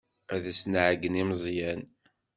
Ad as-nɛeyyen i Meẓyan.